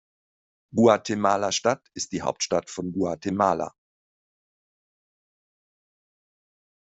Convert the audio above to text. Guatemala-Stadt ist die Hauptstadt von Guatemala.